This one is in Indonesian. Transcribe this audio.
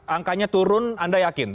angkanya turun anda yakin